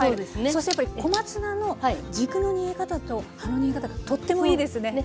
そしてやっぱり小松菜の軸の煮え方と葉の煮え方がとってもいいですね。